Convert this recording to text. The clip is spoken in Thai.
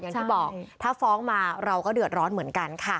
อย่างที่บอกถ้าฟ้องมาเราก็เดือดร้อนเหมือนกันค่ะ